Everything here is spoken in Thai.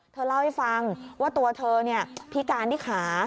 เธอเล่าให้ฟังว่าตัวเธอพิการที่ขา